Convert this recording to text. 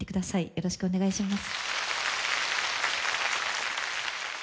よろしくお願いします。